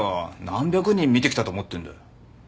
何百人見てきたと思ってんだ。